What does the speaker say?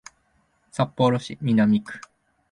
札幌市南区